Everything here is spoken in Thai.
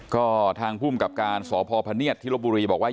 ก็ทางภูมิกับการสพพเนียดที่ลบบุรีบอกว่า